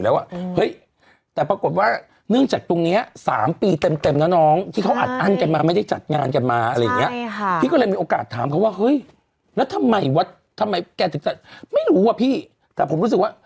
ว่าเฮ้ยแล้วทำไมว่ะทำไมแกถึงไม่รู้ว่ะพี่แต่ผมรู้สึกว่า